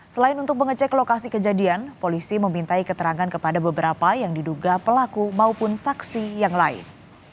selain untuk mengecek lokasi kejadian polisi memintai keterangan kepada beberapa yang diduga pelaku maupun saksi yang lain